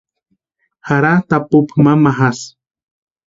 Jaratʼi apupu mamajasï.